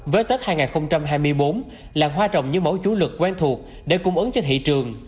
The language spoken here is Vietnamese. năm một nghìn chín trăm hai mươi bốn làng hoa trồng như mẫu chú lực quen thuộc để cung ứng cho thị trường